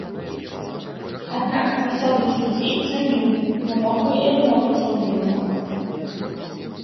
Аднак пасаду суддзі цаніў, бо мог бы і адмовіцца ў любы момант.